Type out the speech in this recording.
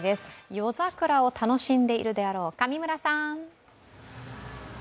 夜桜を楽しんでいるであろう上村さん！